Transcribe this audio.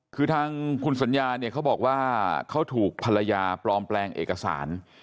คือทางคุณสัญญาเนี่ยเขาบอกว่าเขาถูกภรรยาปลอมแปลงเอกสาร